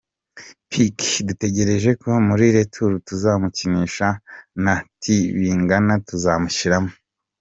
Pekeake dutegereje ko muri retour tuzamukinisha na Tibingana tuzamushiramo.